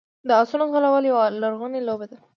د اسونو ځغلول یوه لرغونې لوبه ده.